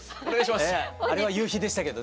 あれは夕日でしたけどねえ。